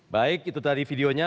baik itu tadi videonya